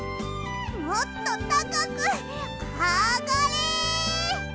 もっとたかくあがれ！